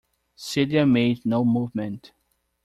Celia made no movement.